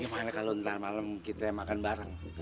gimana kalau ntar malam kita makan bareng